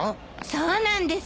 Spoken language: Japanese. そうなんです。